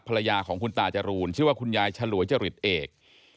ภรรยาของคุณตาจรูนชื่อว่าคุณยายฉลวยจริตเอก